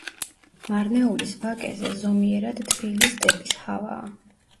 მარნეულის ვაკეზე ზომიერად თბილი სტეპის ჰავაა.